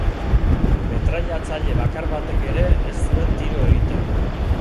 Metrailatzaile bakar batek ere ez zuen tiro egiten.